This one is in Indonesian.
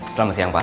selamat siang pak